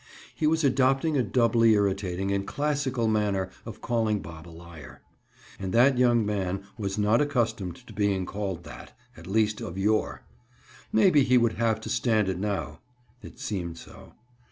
He was adopting a doubly irritating and classical manner of calling Bob a liar. And that young man was not accustomed to being called that—at least, of yore! Maybe he would have to stand it now. It seemed so.